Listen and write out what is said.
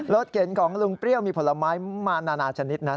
รถเก๋งของลุงเปรี้ยวมีผลไม้มานานาชนิดนะ